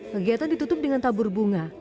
kegiatan ditutup dengan tabur bunga